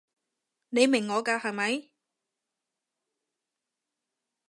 你明我㗎係咪？